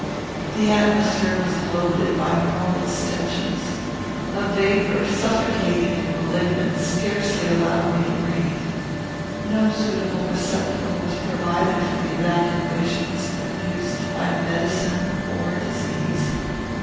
"The atmosphere was loaded by mortal stenches. A vapour, suffocating and malignant, scarcely allowed me to breathe. No suitable receptacle was provided for the evacuations produced by medicine or disease.